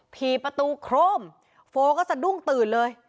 ผีประตูโครมโฟก็สะดุ้งตื่นเลย